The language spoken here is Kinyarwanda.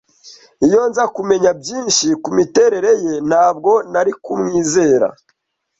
Iyo nza kumenya byinshi kumiterere ye, ntabwo nari kumwizera.